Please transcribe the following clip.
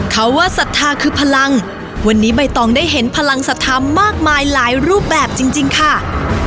เขาว่าศรัทธาคือพลังวันนี้ใบตองได้เห็นพลังศรัทธามากมายหลายรูปแบบจริงค่ะ